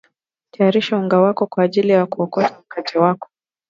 Tayarisha unga wako kwa ajili ya kuoka mkate wako